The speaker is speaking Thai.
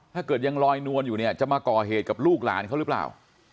ถ้าเกิดยังลอยนวลอยู่เนี่ยจะมาก่อเหตุกับลูกหลานเขาหรือเปล่า